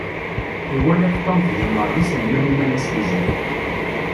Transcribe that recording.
Iwala-k Tom tgemreḍ iselman Imalas yezrin.